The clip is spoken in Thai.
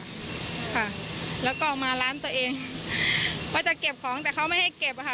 ค่ะแล้วก็ออกมาร้านตัวเองว่าจะเก็บของแต่เขาไม่ให้เก็บอะค่ะ